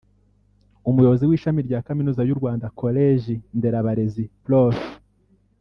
umuyobozi w’Ishami rya Kaminuza y’u Rwanda Koleji Nderabarezi Prof